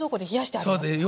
そうです